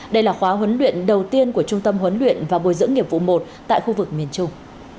đây là khóa huấn luyện đầu tiên của trung tâm huấn luyện và bồi dưỡng nghiệp vụ một tại khu vực miền trung